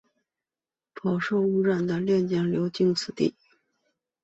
饱受污染的练江流经此地。